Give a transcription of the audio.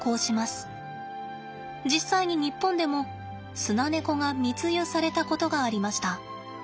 実際に日本でもスナネコが密輸されたことがありました。